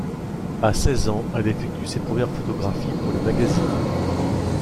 À seize ans, elle effectue ses premières photographies pour les magazines.